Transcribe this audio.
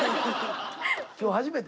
今日初めて？